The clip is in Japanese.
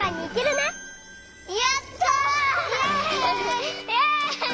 イエイ！